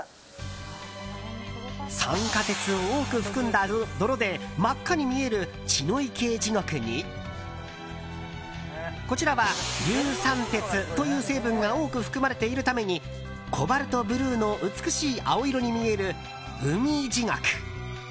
酸化鉄を多く含んだ泥で真っ赤に見える血の池地獄にこちらは硫酸鉄という成分が多く含まれているためにコバルトブルーの美しい青色に見える海地獄。